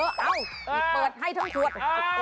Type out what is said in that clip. เออเอาเปิดให้ทั้งขวด